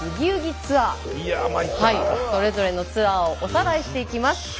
ツアーそれぞれのツアーをおさらいしていきます。